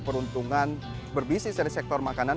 peruntungan berbisnis dari sektor makanan